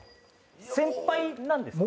先輩なんですか？